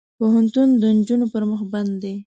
پوهنتون د نجونو پر مخ بند دی.